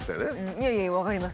いえいえ分かります。